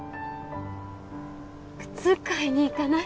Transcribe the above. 靴買いに行かない？